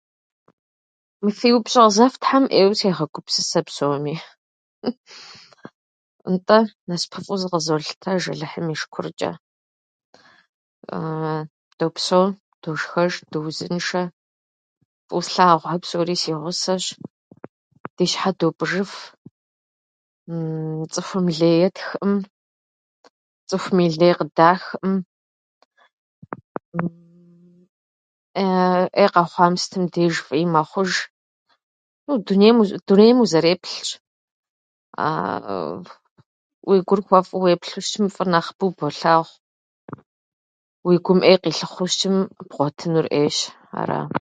Мы си упщӏэ къызэфтхьэм ӏейуэ сегъэгупсысэ псоми. Нтӏэ, насыпыфӏэу зыкъызолъытэж Алыхьым и шыкурчӏэ. Допсэу, дошхэж, дыузыншэ, фӏыуэ слъагъухьэр псори си гъусэщ, ди щхьэ допӏыжыф, цӏыхум лей етхӏым, цӏыхуми лей къыдахӏым. ӏей къэхъуам сытым деж фӏыи мэхъуж, ну, дунейм- дунейм узэреплъщ. Уи гур хуэфӏу уеплъу щытмэ, фӏыр нэхъыбэу болъагъу, уи гум ӏей къилъыхъуэу щытым, бгъуэтынур ӏейщ. Ара.